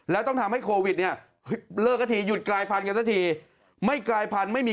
แล้วต้องทำให้โควิด๑๙เลิกกะทิหยุดกลายพันธุ์กันที